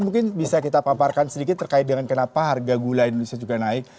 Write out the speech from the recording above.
mungkin bisa kita paparkan sedikit terkait dengan kenapa harga gula indonesia juga naik